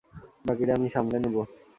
বাকিটা আমি সামলে নিবো।